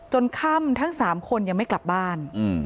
ค่ำทั้ง๓คนยังไม่กลับบ้าน